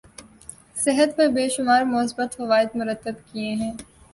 صحت پر بے شمار مثبت فوائد مرتب کیے ہیں